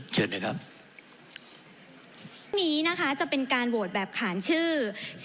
วันนี้นะคะจะเป็นการโหวดแบบขานชื่อ